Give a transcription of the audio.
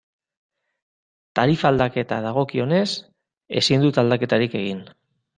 Tarifa aldaketa dagokionez, ezin dut aldaketarik egin.